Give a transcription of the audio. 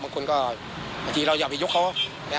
บางทีก็บางทีเราอยากไปยกเขา